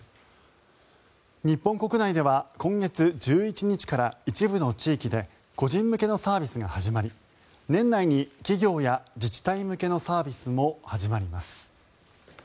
日本国内では今月１１日から一部の地域で個人向けのサービスが始まり年内に企業や自治体向けのサービスも始まります。